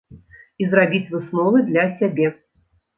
І зрабіць высновы для сябе.